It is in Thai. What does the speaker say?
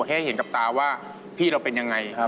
ให้เห็นกับตาว่าพี่เราเป็นยังไง